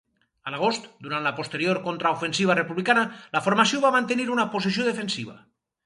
A l'agost, durant la posterior contraofensiva republicana, la formació va mantenir una posició defensiva.